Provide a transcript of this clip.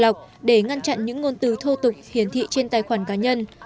bộ lọc để ngăn chặn những ngôn từ thô tục hiển thị trên tài khoản cá nhân